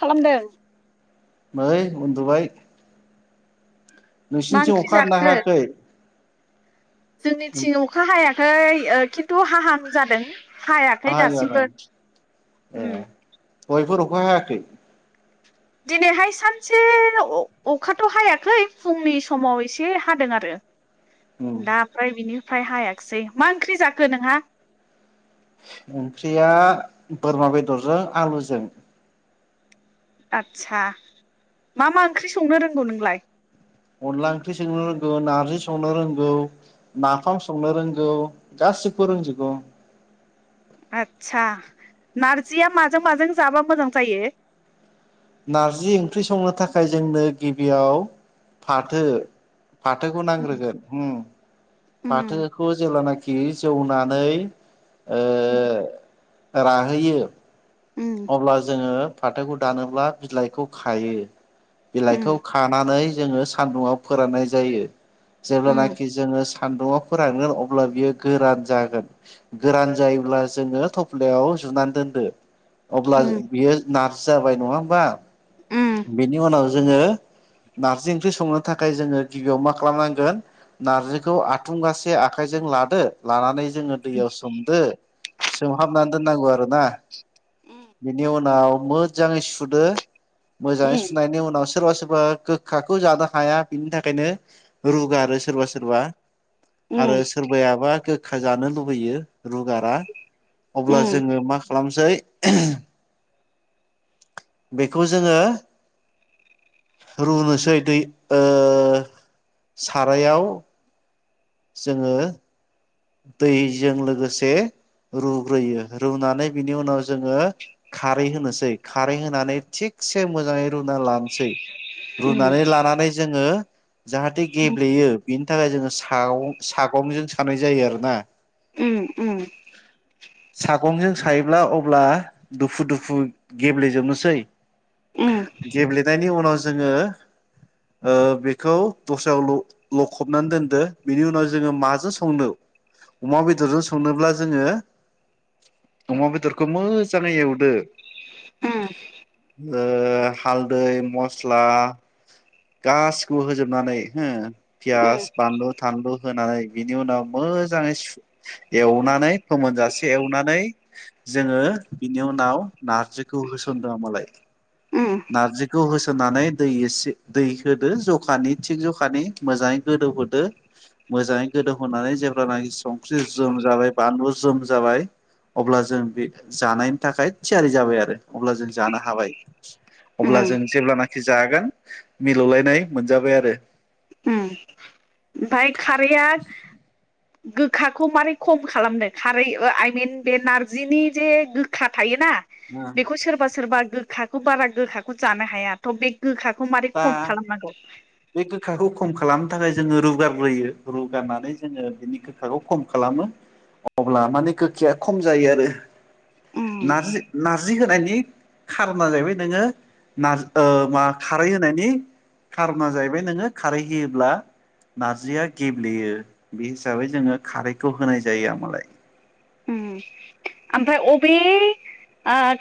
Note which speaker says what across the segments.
Speaker 1: खालामदों।
Speaker 2: नै उन्दुबाय
Speaker 1: मा
Speaker 2: नोंसिनिथिं
Speaker 1: ओंख्रि
Speaker 2: अखा हादो ना
Speaker 1: जाखो
Speaker 2: हायाखै?
Speaker 1: जोंनिथिं अखा हायाखै ओ खिन्थु हाहां जादों। हायाखै
Speaker 2: हायो आरो
Speaker 1: दासिमबो
Speaker 2: ए
Speaker 1: उ।
Speaker 2: दहायफोर अखा हायाखै?
Speaker 1: दिनैहाय सानसे अ अखाथ' हायाखै फुंनि समाव एसे हादों आरो।
Speaker 2: उम
Speaker 1: दा ओमफ्राय बिनिफ्राय हायाखैसै मा ओंख्रि जाखो नोंहा?
Speaker 2: ओंख्रिया बोरमा बेदरजों आलुजों।
Speaker 1: आदसा मा मा ओंख्रि संनो रोंगौ नोंलाय?
Speaker 2: अनला ओंख्रि संनो रोंगौ नारजि संनो रोंगौ। नाफाम संनो रोंगौ गासिबबो रोंजोबगौ।
Speaker 1: आतसा नारजिया माजों माजों जाबा मोजां जायो?
Speaker 2: नारजि ओंख्रि संनो थाखाय जोंनो गिबियाव फाथो फाथोखौ नांग्रोगोन होम
Speaker 1: उम
Speaker 2: फाथोखौ जेब्लाना खि जौनानै ओ राहोयो
Speaker 1: उम
Speaker 2: अब्ला जोङो फाथोखौ दानोब्ला बिलाइखौ खायो।
Speaker 1: उम
Speaker 2: बिलाइखौ खानानै जोङो सान्दुंङाव फोराननाय जायो
Speaker 1: उम
Speaker 2: जेब्लानाखि जोङो सान्दुङाव फोरानगोन अब्ला बियो गोरान जागोन गोरान जायोब्ला जोङो थफ्लायाव जुनानै दोनदो अब्ला बियो नारजि जाबाय नङा होमबा
Speaker 1: उम
Speaker 2: बेनि उनाव जोङो नारजि ओंख्रि संनो थाखाय जोङो गिबियाव मा खालामनांगोन नारजिखौ आथुंगासे आखाइजों जों लादो लानानै जोङो दैयाव सोमदो सोमहाबनानै दोननांगौ आरोना
Speaker 1: उम
Speaker 2: बिनि उनाव मोजाङै सुदो मोजाङै
Speaker 1: उम
Speaker 2: सुनायनि उनाव सोरबा सोरबा सोरबा गोखाखौ जानो हाया बिनि थाखायनो रुगारो सोरबा सोरबा आरो
Speaker 1: उम
Speaker 2: सोरबायाबा गोखा जानो लुबैयो रुगारा
Speaker 1: उम
Speaker 2: अब्ला जोङो मा खालामसै बेखौ जोङो रुनोसै दै ओ दै सारायाव जोङो दैजों लोगोसे रुग्रोयो रुनानै बिनि उनाव जोङो खारै होनोसै खारै होनानै थिग एसे मोजाङै रुना लानोसै रुनानै लानानै जोङो जाहाथे गेब्लेयो बेनि थाखाय जोङो सागं सागंजों सानाय जायो आरो ना
Speaker 1: ओम ओम
Speaker 2: सागंजों सायोब्ला अब्ला दुफु दुफु गेब्लेेजोबनोसै
Speaker 1: उम
Speaker 2: गेब्लेनायनि उनाव जोङो बेखौ दस्रायाव लख लखबनानै दोनदो बेनि उनाव जोङो माजों संनो अमा बेदरजों संनोब्ला जोङो अमा बेदरखौ मोजाङै एवदो
Speaker 1: उम
Speaker 2: । ओ हालदै मस्ला गासिखौबो होजोबनानै हो
Speaker 1: उम
Speaker 2: पियास बानलु थानलु होनानै बिनि उनाव मोजाङै सुएवनानै फोमोनजासे एवनानै जोङो बिनि उनाव नाव नारजिखौ होसनदों मालाय ।
Speaker 1: उम
Speaker 2: नारजिखौ होसोनानै दै एसे दै होदो जखानि थिग जखानि मोजाङै गोदौहोदो मोजाङै गोदौहोनानै जेब्लानाखि संख्रि जोम जाबाय बानलु जोम जाबाय। अब्ला जों बे जानायनि थाखाय थियारि जाबाय आरो अब्ला जों जानो हाबाय।
Speaker 1: उम
Speaker 2: अब्ला जों जेब्लानाखि जागोन मिलौलायनाय मोनजाबाय आरो।
Speaker 1: ओम ओमफ्राय खारैआ गोखाखौ मारै खम खालामदों खारै आइमिन बे नारजिनि जे गोखा थायो। ना
Speaker 2: आरो
Speaker 1: बेखौ सोरबा सोरबा गोखाखौ बारा गोखाखौ जानो हाया थ' बे गोखाखौ खौ मारै
Speaker 2: दा
Speaker 1: खम खालामनांगौ?
Speaker 2: बे गोखाखौ खम खालामनो थाखाय जोङो रुगारग्रोयो रुगारनानै जोङो बिनि गोखाखौ खम खालामो। अब्ला माने गोखाया खम जायो आरो।
Speaker 1: उम
Speaker 2: नारजि नारजि होनायनि खारना जाहैबाय नोङो नार ओ मा खारै होनायनि खारना जाहैबाय नोङो खारै होयोब्ला नारजिया गेब्लेयो बे हिसाबै जोङो खारैखौ होनाय जायो मालाय।
Speaker 1: ओम ओमफ्राय अबे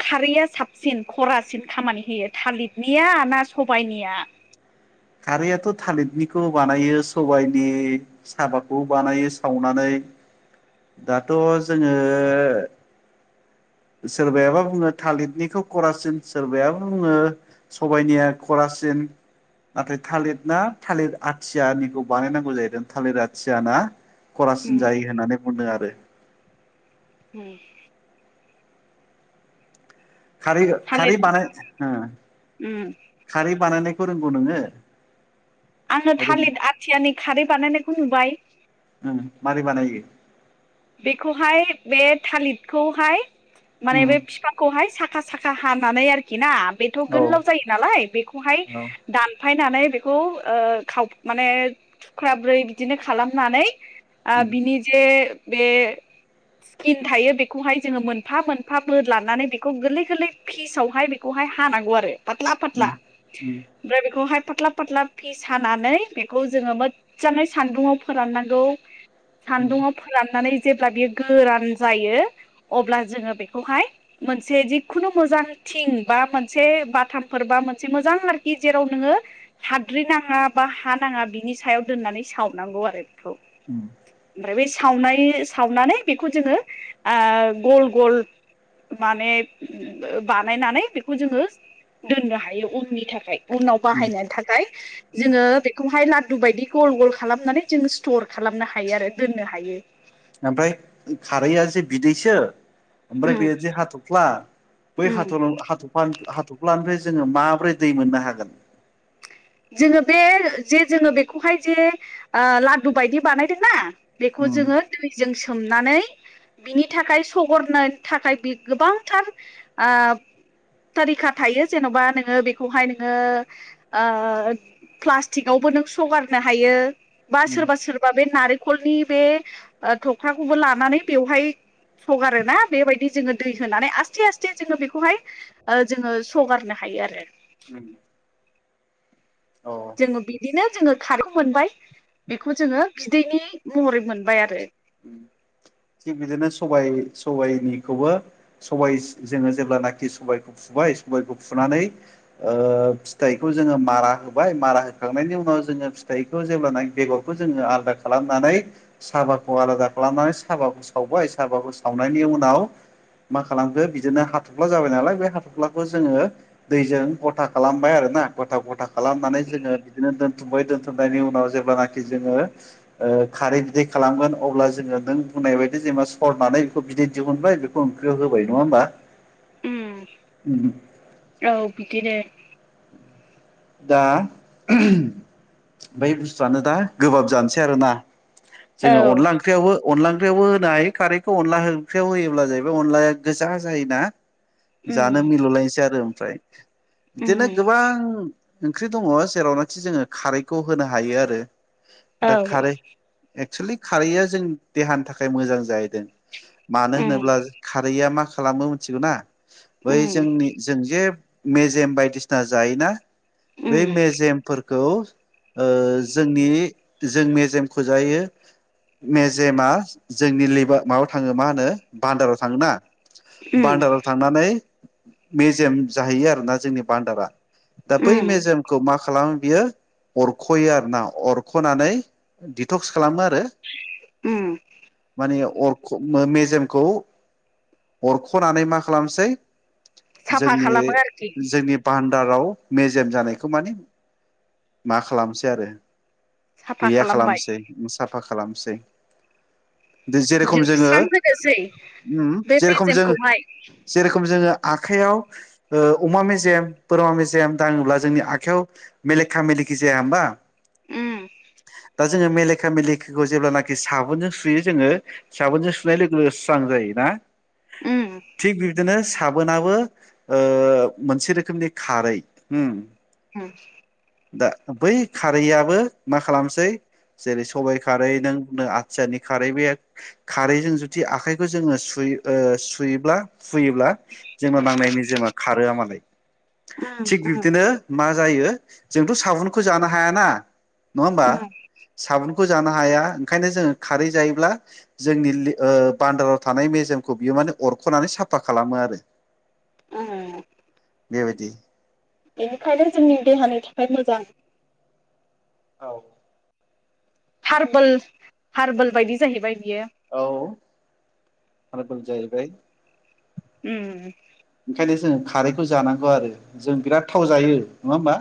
Speaker 1: खारैया साबसिन खरासिन खामानि होयो थालिरनिया ना सबाइनिया
Speaker 2: [unintelligible] खारैआथ' थालिरनिखौ बानायो सबाइनि साबाखौ बानायो सावनानै दाथ' जोङो सोरबायाबा बुङो थालिरनिखौ खरासिन सोरबाया बुङो सबायइनिया खरा सिन नाथाय थालिर ना थालिर आथियानिखौ बानायनांगौ, जाहैदों थालिर आथियाना खरासिन जायो होननानै बुंदों आरो।
Speaker 1: उम
Speaker 2: खारि
Speaker 1: थालिर
Speaker 2: खारि बानाय
Speaker 1: उम
Speaker 2: खारि बानायनाय खौ रोंगौ नोङो
Speaker 1: आङो
Speaker 2: रों
Speaker 1: थालिरि आथियानि खारै बानायनायखौ नुबाय ।
Speaker 2: ओं मारै बानायो
Speaker 1: बेखौहाय बे थालिरखौहाय माने
Speaker 2: उम
Speaker 1: बे बिफाखौहाय सा खा साखा हानानै आरोखि ना बेथ'
Speaker 2: औ
Speaker 1: गोलाव जायो नालाय बेखौहाय
Speaker 2: औ
Speaker 1: दान फायनानै बेखौ ओ खाव माने थुख्राब्रै बिदिनो खालामनानै । ओ
Speaker 2: उम
Speaker 1: बिनि जे बे स्किन थायो बेखौहाय जोङो मोनफा मोनफा बोदलानानै बेखौ गोरलै-गोरलै फिस आवहाय बेखौ हाय हानांगौ‌ आरो
Speaker 2: उम
Speaker 1: पाथ्ला-पाथ्ला
Speaker 2: उम
Speaker 1: ओमफ्राय बेखौहाय पाथ्ला पाथ्ला फिस हानानै बेखौ जोङो मोजाङै सान्दुंङाव फोराननांगौ।
Speaker 2: उम
Speaker 1: सान्दुङाव फोराननानै जेब्ला बियो गोरान जायो। अब्ला जोङो बेखौहाय मोनसे जिखुनु मोजां थिं बा मोनसे बाथामफोर बा मोनसे मोजां आरोखि जेराव नोङो हाद्रि नाङा बा हा नाङा बिनि सायाव दोननानै साव नांगौव आरो बेखौ
Speaker 2: उम
Speaker 1: ओमफ्राय बे सावनाय सावनानै बेखौ जोङो ओ गल गल माने बानायनानै बेखौ जोङो दोननो हायो उननि थाखाय। उनाव
Speaker 2: उम
Speaker 1: बाहायनो थाखाय जोङो बेखौहाय ला रु बायदि गल-गल खालामनानै जों स्टर खालामनो हायो आरो दोननो हायो ।
Speaker 2: ओमफ्राय खारैआ जे बिदैसो ओमफ्राय
Speaker 1: उम
Speaker 2: बे जे हाथ'फ्ला बै
Speaker 1: उम
Speaker 2: हाथ'ल -हाथ'फ्ला- हाथ'फ्लानिफ्राय जोङो माब्रै दै मोननो हागोन?
Speaker 1: जोङो बे जे जोङो बेखौहाय जे ओ लादु बायदि बानायदोंना? बेखौ
Speaker 2: उम
Speaker 1: जोङो दैजों सोमनानै बिनि थाखाय सगरनो थाखाय बि गोबांथार ओ थारिखा थायो जेन'बा नोङो बेखौहाय नोङो ओ प्लास्टिकावबो नों सगारनो हायो बा सोरबा -सोरबा बे नारेंखलनि बे थख्राखौबो लानानै बेवहाय सगारो ना बेबायदि जोङो दै होनानै आस्थे-आस्थे जोङो बेखौहाय ओ जोङो सगारनो हायो आरो।
Speaker 2: [unintelligible] अ
Speaker 1: जोङो बिदिनो जोङो खारै मोनबाय। बेखौ जोङो बिदैनि महरै मोनबाय आरो।
Speaker 2: उम। थिग बिदिनो सबाइ -सबाइनिखौबो सबाय जोङो जेब्लानाखि सबाइखौ फु [unintelligible] सबायखौ फुनानै ओ फिथाइखौ जोङो मारा होबाय मारा होखांनायनि उनाव जों फिथाइखौ जेब्लानो बेगरखौ जोङो आलादा खालामनानै साबाखौ आलादा खालामनानै साबाखौ सावबाय साबाखौ सावनायनि उनाव मा खालामखो बिदिनो हाथ'फ्ला जाबाय नालाय बे हाथ'फ्लाखौ जोङो दैजों गथा खालामबाय आरो। ना गथा- गथा खालामनानै जोङो बिदिनो दोनथुमबाय दोनथुमनायनि उनाव जेब्लानाखि जोङो ओ ओ खारै बिदै खालामगोन अब्ला जोङो नों बुंनाय बायदि जेनेबा सरनानै बेखौ बिदै दिहुनबाय। बेखौ ओंख्रियाव होबाय नङा होमबा?
Speaker 1: उम औ बिदिनो।
Speaker 2: दा बै बुस्थुआनो दा गोबाब जानोसै आरोना। जोङो
Speaker 1: औ
Speaker 2: अनला ओंख्रियावबो अनला [unintelligible] ओंख्रियावबो होनो हायो। खारैखौ अनला ओंख्रियाव होयोब्ला जाहैबाय अनलाया गोजा जायो ना?
Speaker 1: उम
Speaker 2: जानो मिलुलायनोसै आरो ओमफ्राय बिदिनो
Speaker 1: उम
Speaker 2: गोबां ओंख्रि दङ जेरावनोखि जोङो खारैखौ होनो हायो आरो।
Speaker 1: औ
Speaker 2: दा खारै एक्सलि खारैआ जों देहानि थाखाय मोजां जाहैदों। मानो
Speaker 1: उम
Speaker 2: होनोब्ला खारैया मा खालामो मोनथिगौ ना? बै
Speaker 1: उम
Speaker 2: जोंनि जों जे मेजेम बायदिसिना जायोना। बे
Speaker 1: उम
Speaker 2: मेजेमफोर [unintelligible] ओ जोंनि जों मेजेमखौ जायो। मेजेमा जोंनि लिभार माबायाव थाङो मा होनो बान्दाराव थाङो ना?
Speaker 1: उम
Speaker 2: बान्दाराव थांनानै मेजेम जाहैयो आरोना जोंनि बान्दारा। दा बै
Speaker 1: उम
Speaker 2: मेजेमखौ मा खालाम बियो अरख'यो आरो ना अरख'नानै दिडटक्स खालामो आरो ।
Speaker 1: उम
Speaker 2: आरो मानेआव अरख- मेजेमखौ अरख'नानै मा खालामसै
Speaker 1: साफा
Speaker 2: जोंनि-
Speaker 1: खालामो आरोखि
Speaker 2: जोंनि भान्दाराव मेजेम जानायखौ मानि मा खालामसै आरो
Speaker 1: साफा
Speaker 2: गैया
Speaker 1: खालामबाय
Speaker 2: खालामसै साफा खालामसै। जेरेखम जोङो
Speaker 1: जोबस्रां होनोसै बे
Speaker 2: जेरखम जो
Speaker 1: मेजेमखौहाय
Speaker 2: जेरेखम जोङो आखाइयाव ओ अमा मेजेम, बोरमा मेजेम दाङोब्ला जोंनि आखायाव मेलेखा- मेलेखि जाया होमबा ।
Speaker 1: ओम।
Speaker 2: दा जोङो मेलेखा- मेलेखिखौ जेब्लानाखि साबोनजों सुयो जोङो साबोनजों सुनाय लोगो -लोगो स्रां जायोना ।
Speaker 1: उम
Speaker 2: थिग बिदिनो साबोनाबो ओ मोनसे रोखोमनि खारै
Speaker 1: उम
Speaker 2: दा बै खारैआबो मा खालामसै जेरै- सबाइ खारै नों बुंदों आथियानि खारै बे खारैजों जुदि आखाइखौ जोङो सु यो ओ सुयोब्ला हुयोब्ला जोंना नांनाय मेजेमा खारोआ मालाय
Speaker 1: उम
Speaker 2: थिग
Speaker 1: उम
Speaker 2: बिब्दिनो मा जायो जोंथ' साबुनखौ जानो हायाना नङा होमबा
Speaker 1: उम
Speaker 2: साबुन खौ जानो हाया ओंखायनो जोङो खारै जायोब्ला जोंनि लि ओ बान्दाराव थानाय मेजेमखौ बियो माने अरख'नानै साफा खालामो आरो
Speaker 1: उम
Speaker 2: बेबायदि
Speaker 1: बेनिखायनो जोंनि देहानि थाखाय मोजां
Speaker 2: औ
Speaker 1: हारबोल हारबोल बायदि जाहैबाय बियो
Speaker 2: औ हारबोल जाहैबाय
Speaker 1: उम
Speaker 2: ओंखायनो जों खारैखौ जानांगौ आरो जों बिराद थाव जायो नङा होमबा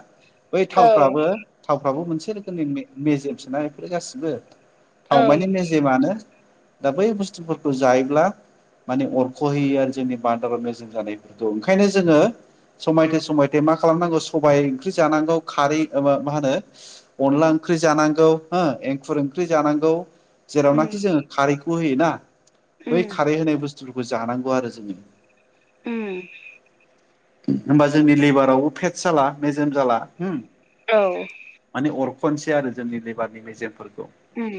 Speaker 2: बै
Speaker 1: औ
Speaker 2: थावफ्राबो थावफ्राबो मोनसे रोखोमनि मे-मेजेम सोना बेफोर गासिबो
Speaker 1: औ
Speaker 2: थावमानि मेजेमानो दा बै बुस्थुफोरखौ जायोब्ला माने अरख'होयो आरो जोंनि बान्दाराव मेजेम जानायफोरखौ ओंखायनो जोङो समायथे समायथे मा खालामनांगौ सबाय ओंख्रि जानांगौ खारै माबा मा होनो अनला ओं ख्रि जानांगौ हो एंखुर ओंख्रि जानांगौ
Speaker 1: उम
Speaker 2: जेरावनाखि जोङो खारैखौ होयोना बै
Speaker 1: उम
Speaker 2: खारै होनाय बुस्थु बो जानांगौ आरो जोङो
Speaker 1: ओम
Speaker 2: होमबा जोंनि लिभारावबो फेटस जाला मेजम जाला होम
Speaker 1: औ
Speaker 2: खनसे आरो जोंनि लेबारनि मेजेमफोर
Speaker 1: ओम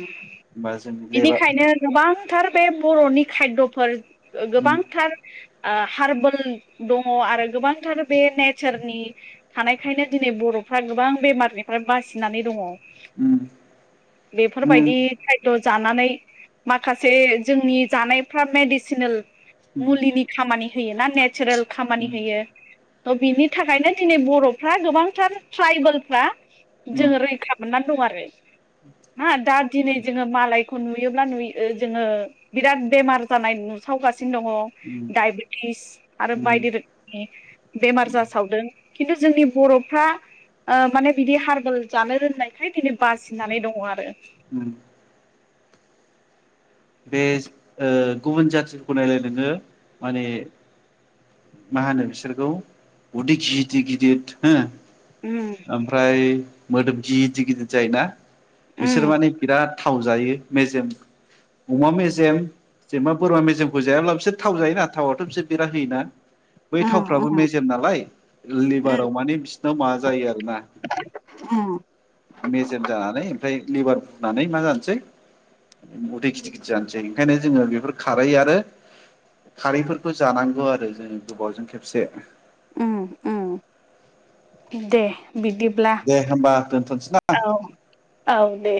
Speaker 1: बेनिखायनो गोबांथार बे बर'नि खायद'फोर ओ
Speaker 2: उम
Speaker 1: गोबांथार ओ हार्बोल दङ आरो गोबांथार बे नेचारनि थानायखायनो दिनै बर'फ्रा गोबां बेमारनिफ्राय बासिनानै दङ।
Speaker 2: उम। उम
Speaker 1: बेफोरबायदि खायद' जानानै माखासे जोंनि जानायफ्रा मेडिसिनेल मुलिनि खामानि होयो ना नेचारेल खामानि
Speaker 2: उम
Speaker 1: होयो। त' बिनि थाखायनो दिनै बर'फ्रा गोबांथार ट्राइबेलफ्रा
Speaker 2: उम
Speaker 1: जोङो रैखा मोननानै दं आरो। हा दा दिनै जोङो मालायखौ नुयोब्ला नुयो ओ जोङो बिराद बेमार जानाय नुसावगास सिनो दङ डायबेटिस आरो
Speaker 2: उम
Speaker 1: बायदि रोखोमनि बेमार
Speaker 2: उम
Speaker 1: जासावदों। खिन्थु जोंनि बर'फ्रा ओ माने बिदि हारबोल जानो रोंनायखाय दिनै बासिनानै दं।
Speaker 2: उम बे ओ गुबुन जातिफोरखौ नायलाय नोङो माने मा होनो बिसोरखौ उदै गिदिर गिदिर हो
Speaker 1: उम
Speaker 2: ओमफ्राय मोदोम गिदिर गिदिर जायोना
Speaker 1: उम
Speaker 2: बिसोर माने बिराद थाव जायो मेजेम अमा मेजेम जेनेबा बोरमा मेजेमखौ जायाब्ला बिसोर थाव जायोना थावथ' बिसोर बिराद होयोना। बै थावफ्राबो मेजेम नालाय लिभाराव माने बिसिनाव माबा जायो आरोना।
Speaker 1: उम।
Speaker 2: मेजेम जानानै ओमफ्राय लिभार बुनानै मा जानोसै उदै गिदिद जानोसै ओंखायनो जोङो बेफोर खारै आरो खारैफोरखौ जानांगौ आरो जोङो गोबावजों खेबसे।
Speaker 1: उम उम दे। बिदिब्ला
Speaker 2: दे होमबा दोनथ'नोसै ना
Speaker 1: औ औ दे।